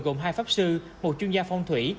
gồm hai pháp sư một chuyên gia phong thủy